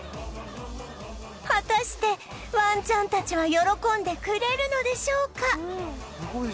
果たしてワンちゃんたちは喜んでくれるのでしょうか？